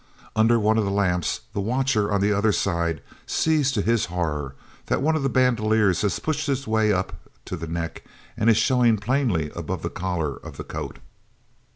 Under one of the lamps the watcher on the other side sees to his horror that one of the bandoliers has pushed its way up to the neck and is showing plainly above the collar of the coat.